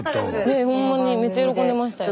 ねえほんまにめっちゃ喜んでましたよ。